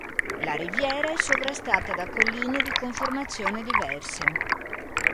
La Riviera è sovrastata da colline di conformazione diverse.